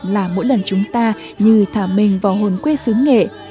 là mỗi lần chúng ta như thả mình vào hồn quê xứ nghệ